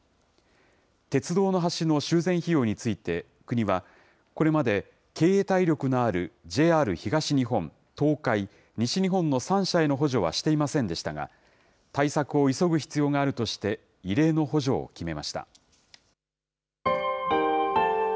鉄道の橋の修繕費用について、国は、これまで経営体力のあるＪＲ東日本、東海、西日本の３社への補助はしていませんでしたが、対策を急ぐ必要があるとして、異例の補助を決めました。